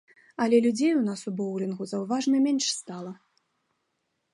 Але людзей у нас у боулінгу заўважна менш стала.